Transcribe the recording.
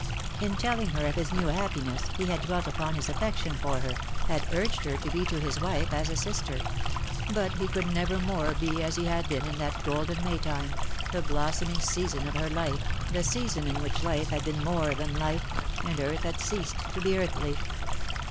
In telling her of his new happiness he had dwelt upon his affection for her, had urged her to be to his wife as a sister. But he could never more be as he had been in that golden May time, the blossoming season of her life, DEAD LOVE HAS CHAINS. 1 95 the season in which Hfe had been more than hfe, and earth had ceased to be earthy.